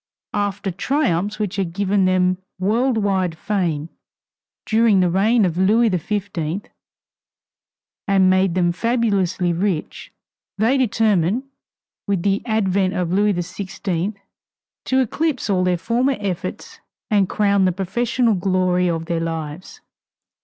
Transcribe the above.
After triumphs which had given them world wide fame during the reign of Louis XV, and made them fabulously rich, they determined, with the advent of Louis XVI, to eclipse all their former efforts and crown the professional glory of their lives.